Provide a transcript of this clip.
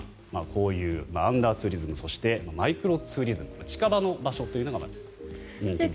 こういうアンダーツーリズムそして、マイクロツーリズム近場の場所というのが人気みたいですね。